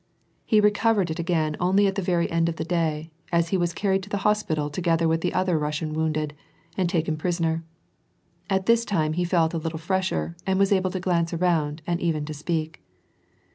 He recovered it again only at the very end of the day, as he was carried to the hospital together with other Russians wounded, and taken prisoner. At this time^ he felt a little fresher and was able to glance anmnd and even to speak.